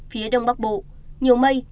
phía đông bắc bộ nhiều mây